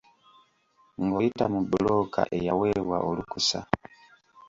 Ng'oyita mu bbulooka eyaweebwa olukusa.